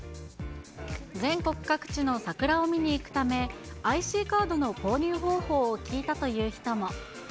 全国各地の桜を見に行くため、ＩＣカードの購入方法を聞いたという人も。